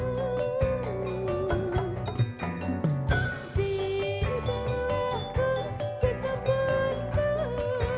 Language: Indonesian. maafkan selalu be pilihan